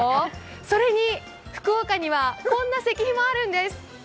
それに福岡にはこんな石碑もあるんです。